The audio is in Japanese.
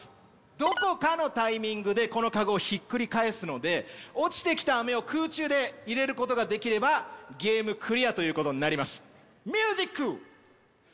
どこかのタイミングでこのカゴをひっくり返すので落ちてきたアメを空中で入れることができればゲームクリアということになります。